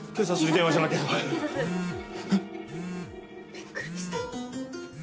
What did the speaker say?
びっくりした。